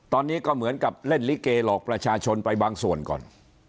ตอนนี้ก็เหมือนกับเล่นลิเกหลอกประชาชนไปบางส่วนก่อน